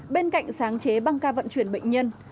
bên cạnh sáng chế băng ca vận chuyển bệnh nhân